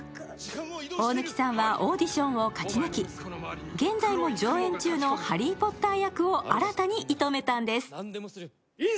大貫さんはオーディションを勝ち抜き、現在も上演中のハリー・ポッター役を新たに射止めたんです。